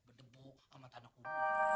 berdebu sama tanda kubu